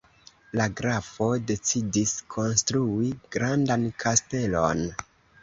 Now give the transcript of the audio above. La grafo decidis konstrui grandan kastelon.